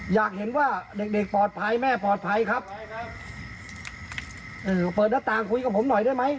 อยากเห็นว่าเด็กเด็กปลอดภัยแม่ปลอดภัยครับเออเปิดหน้าต่างคุยกับผมหน่อยได้ไหม